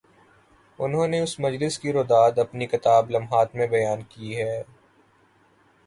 انہوں نے اس مجلس کی روداد اپنی کتاب "لمحات" میں بیان کی ہے۔